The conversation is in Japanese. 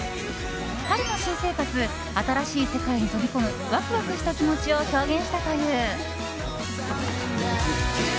春の新生活新しい世界に飛び込むワクワクした気持ちを表現したという。